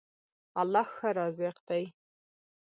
الله ښه رازق دی.